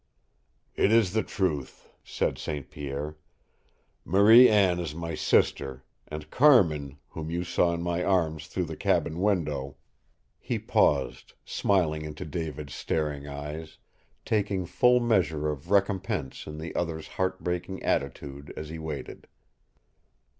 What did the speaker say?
"It is the truth," said St. Pierre. "Marie Anne is my sister, and Carmin whom you saw in my arms through the cabin window " He paused, smiling into David's staring eyes, taking full measure of recompense in the other's heart breaking attitude as he waited.